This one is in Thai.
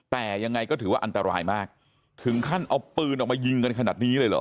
แต่ยังไงก็ถือว่าอันตรายมากถึงขั้นเอาปืนออกมายิงกันขนาดนี้เลยเหรอ